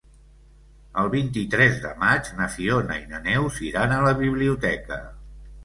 El vint-i-tres de maig na Fiona i na Neus iran a la biblioteca.